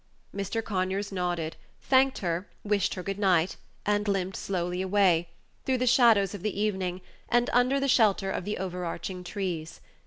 Mr. Conyers nodded, thanked her, wished her good night, and limped slowly away, through the shadows of the evening, and under the shelter of the overarching trees.